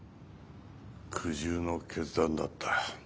苦渋の決断だった。